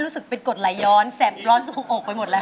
รู้สึกเป็นกฎไหลย้อนแสปร้อนโทงโอกไปหมดแล้ว